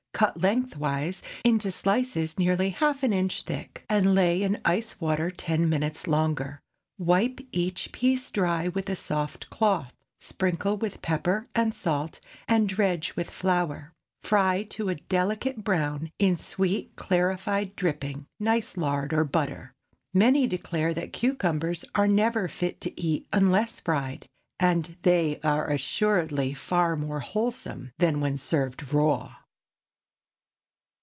Cut lengthwise, into slices nearly half an inch thick, and lay in ice water ten minutes longer. Wipe each piece dry with a soft cloth, sprinkle with pepper and salt, and dredge with flour. Fry to a delicate brown in sweet clarified dripping, nice lard, or butter. Many declare that cucumbers are never fit to eat unless fried, and they are assuredly far more wholesome than when served raw.